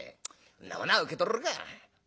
んなものは受け取れるか」。